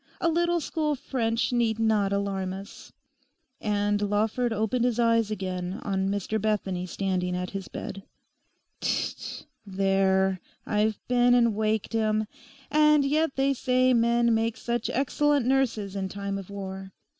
A little school French need not alarm us.' And Lawford opened his eyes again on Mr Bethany standing at his bed. 'Tt, tt! There, I've been and waked him. And yet they say men make such excellent nurses in time of war.